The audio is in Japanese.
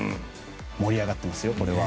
盛り上がってますよ、これは。